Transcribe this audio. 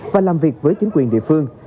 và làm việc với chính quyền địa phương